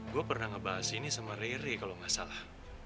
gua pernah ngebahas ini sama rere kalau gak salah